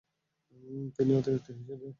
তিনিও অতিরিক্ত হিসেবে।